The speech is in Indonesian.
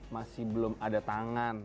masih belum ada tangan